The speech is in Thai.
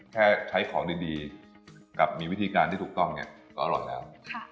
แค่ใช้ของดีกับมีวิธีการที่ถูกต้องเนี่ยก็อร่อยแล้ว